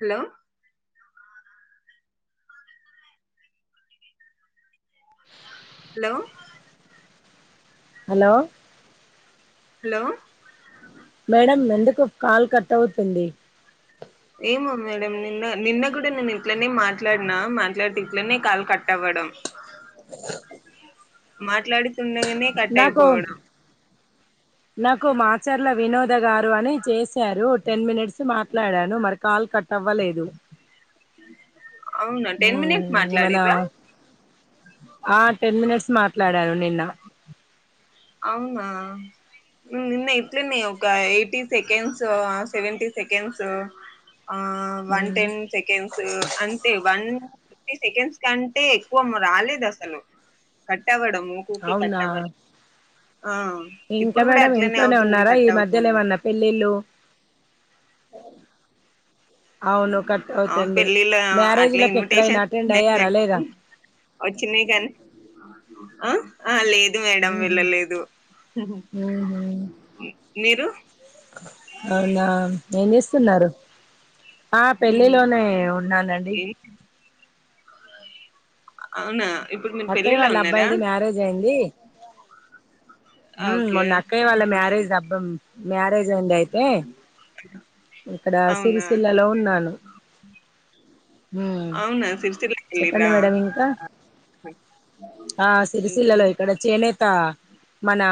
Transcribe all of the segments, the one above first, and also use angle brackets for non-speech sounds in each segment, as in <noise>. hello hello hello hello madam ఎందుకు call cut అవుతుంది ఏమో మేడం నిన్న నిన్న కూడా నేను ఇట్లనే మాట్లాడిన మాట్లాడితే ఇట్లనే కాల్ కట్టవ్వ డం మాట్లాడుతుండగా నాకు నాకు మాచర్ల వినోద గారు అని చేసి సారు టెన్ మినిట్స్ మాట్లాడాను మరి కాల్ కట్ అవ్వలేదు అవునా ఊ టెన్ మినిట్స్ ఏమన మాట్లాడిర్రా ఆ టెన్ మినిట్స్ మాట్లాడాను నిన్న అవునా నిన్న ఎట్లునై ఒక ఎయిటీ సెకండ్స్ ఆ సెవెంటీ సెకండ్స్ ఆ వన్ మ్ టెన్ సెకండ్స్ అంటే వన్ ఫిఫ్టీ సెకండ్స్ కంటే ఎక్కువ రాలేదు అసలు కట్ అవ్వడం ఉకుకే కట్ అవునా అవరు ఇంకా మేడం అట్లనే ఇంట్లోనే అవుతుంది ఉన్నారా ఈ కట్ మధ్యల అవుతుంది ఏమన్నా పెళ్లిళ్ళు అవును కట్ ఆ అవుతుంది పెళ్ళిలా అట్లే మ్యారేజ్లకు ఎక్కడైనా ఇన్విటషన్ అటెండ్ అయ్యారా లేదా <unintelligible> వచ్చినాయి కానీ ఆ ఆ లేద్ దు మేడం మ్హు వెళ్ళలేదు మ్హు మీరు అవునా ఏం చేస్తున్నారు ఆ పెళ్ళిలోనే ఉన్నానండి ఏం- అవునా ఇప్పుడు మీరు అక్కయ్య పెళ్ళిలో వాళ్ళ ఉన్నారా అబ్బాయిది మ్యారేజ్ ఊ ఓకే మొన్న అక్కయ్య వాళ్ళ మ్యారేజ్ అబ్బం మ్యారేజ్ అయింది అయితే ఇక్కడ అవునా సిరిసిల్లలో ఓకే ఉన్నాను ఊ అవునా సిరిసిల్ల చెప్పండి కెళ్ళిర్రా మేడం ఇంకా ఆ సిరిసిల్లలో ఇక్కడ చేనేత మన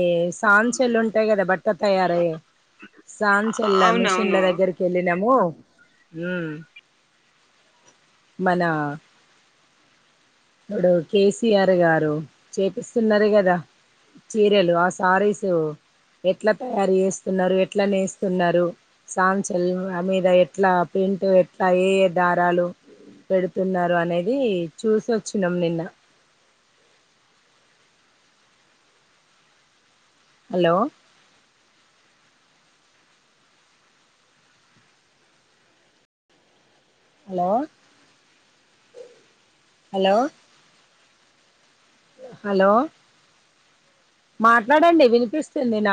ఏ సాంచిల్ల ఉంటాయి కదా బట్ట తయారయ సాంచల్ల మిషన్ల అవునవును దగ్గరికి ఎళ్ళినము మ్ మన ఇప్పుడు కేసీఆర్ గారు చేపిస్తున్నారు కదా చీరెలు ఆ సారీసు ఎట్లా తయారు చేస్తున్నారు ఎట్లా నేస్తున్నారు సాంచలం మీద ఎట్లా ప్రింట్ ఎట్లా ఏ ఏ దారాలు పెడుతున్నారు అనేది చూసి ఓచ్చినం నిన్న హలో హలో హలో హలో మాట్లాడండి వినిపిస్తుంది నాక్